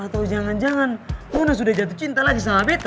atau jangan jangan luna sudah jatuh cinta lagi sama beta